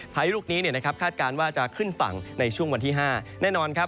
พายุลูกนี้คาดการณ์ว่าจะขึ้นฝั่งในช่วงวันที่๕แน่นอนครับ